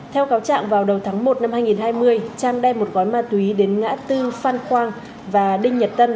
theo cáo trạng vào đầu tháng một năm hai nghìn hai mươi trang đem một gói ma túy đến ngã tư phan khoang và đinh nhật tân